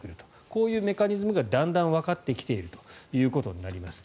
こういうメカニズムがだんだんわかってきているということになります。